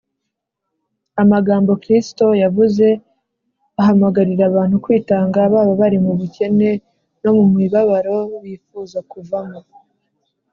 . Amagambo Kristo yavuze ahamagarira abantu kwitanga, baba bari mu bukene no mu mibabaro bifuza kuvamo